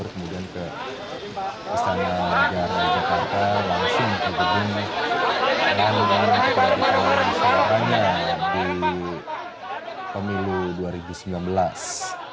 kemudian juga tps lima puluh satu